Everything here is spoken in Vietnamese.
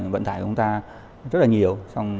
vận tải của chúng ta rất là nhiều